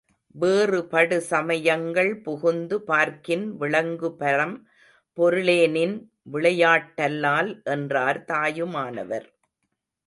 வேறுபடு சமயங்கள் புகுந்து பார்க்கின் விளங்குபரம் பொருளேநின் விளையாட் டல்லால் என்றார் தாயுமானவர்.